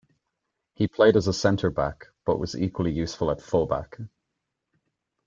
He played as a centre back, but was equally useful at full-back.